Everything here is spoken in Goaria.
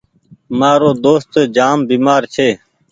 مآرو دوست جآم بيمآر ڇي۔